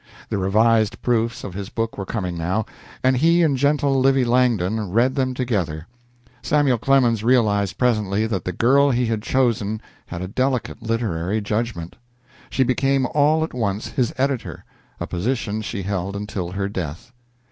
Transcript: The revised proofs of his book were coming now, and he and gentle Livy Langdon read them together. Samuel Clemens realized presently that the girl he had chosen had a delicate literary judgment. She became all at once his editor, a position she held until her death.